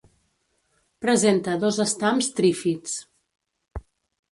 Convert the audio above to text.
Presenta dos estams trífids.